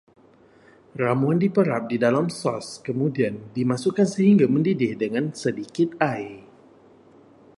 Ramuan diperap di dalam sos, kemudian dimasukkan sehingga mendidih dengan sedikit air